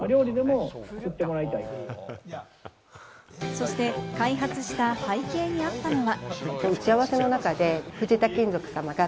そして、開発した背景にあったのは。